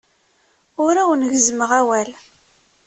Ur awen-gezzmeɣ awal.